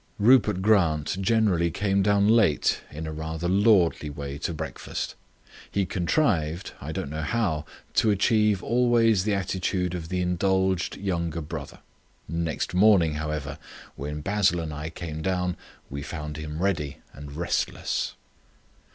Rupert Grant generally came down late in a rather lordly way to breakfast; he contrived, I don't know how, to achieve always the attitude of the indulged younger brother. Next morning, however, when Basil and I came down we found him ready and restless.